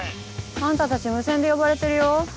あんたたち無線で呼ばれてるよ。